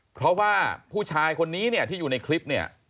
เพราะว่าผู้ชายคนนี้ที่อยู่ในคลิป